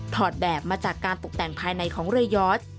อดแบบมาจากการตกแต่งภายในของเรือยอด